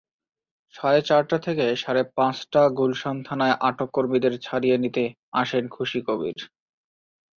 সাড়ে চারটা থেকে সাড়ে পাঁচটাগুলশান থানায় আটক কর্মীদের ছাড়িয়ে নিতে আসেন খুশী কবির।